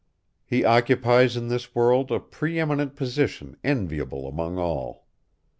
He occupies in this world a pre eminent position enviable among all.